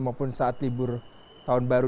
maupun saat libur tahun baru